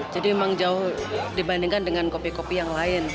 jadi memang jauh dibandingkan dengan kopi kopi yang lain